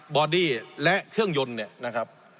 บอดี้และเครื่องยนต์นะครับ